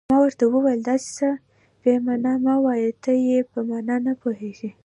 ما ورته وویل: داسې څه بیا مه وایه، ته یې په معنا نه پوهېږې.